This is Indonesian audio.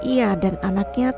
ia dan anaknya